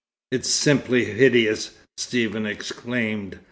"It's simply hideous!" Stephen exclaimed.